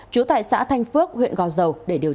chú tại xã thanh phước huyện gò dầu